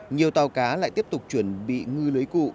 nhiều tàu cá lại tiếp tục chuẩn bị ngư lưới cụ